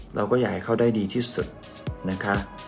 เราก็อยากให้เขาได้ดีที่สุดนะคะ